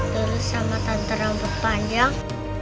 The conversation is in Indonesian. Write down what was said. terus sama tante rambut panjang